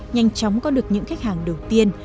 nhanh chóng có được những khách hàng đầu tiên